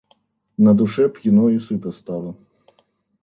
На душе пьяно и сыто стало.